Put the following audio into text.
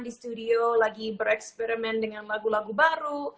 di studio lagi bereksperimen dengan lagu lagu baru